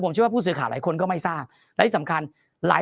เชื่อว่าผู้สื่อข่าวหลายคนก็ไม่ทราบและที่สำคัญหลาย